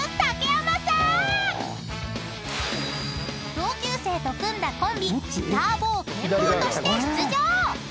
［同級生と組んだコンビター坊ケン坊として出場！］